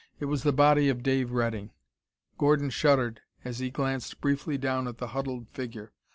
It was the body of Dave Redding. Gordon shuddered as he glanced briefly down at the huddled figure.